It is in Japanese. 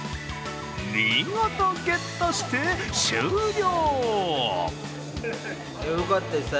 見事ゲットして終了！